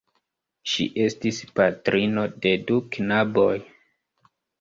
Ŝi estis patrino de du knaboj.